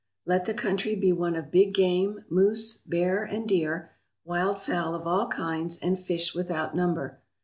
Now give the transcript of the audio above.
Let the country be one of big game, moose, bear, and deer, wild fowl of all kinds, and fish without number.